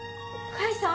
甲斐さん？